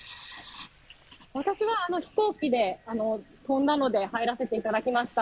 私は飛行機で飛んだので入らせていただきました。